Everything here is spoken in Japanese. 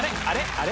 あれ？